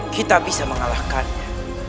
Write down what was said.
kita bisa mengalahkannya